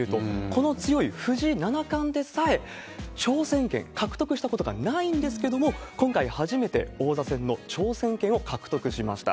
この強い藤井七冠でさえ、挑戦権獲得したことがないんですけれども、今回、初めて王座戦の挑戦権を獲得しました。